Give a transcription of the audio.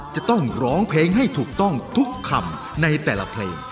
จะต้องร้องเพลงให้ถูกต้องทุกคำในแต่ละเพลง